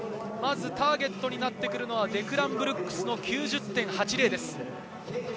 ターゲットになってくるのは、デクラン・ブルックスの９０．８０です。